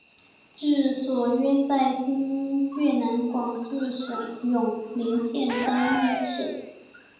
治所约在今越南广治省永灵县丹裔社。